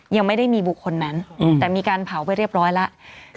ยังไม่ได้มีบุคคลนั้นแต่มีการเผาไปเรียบร้อยแล้ว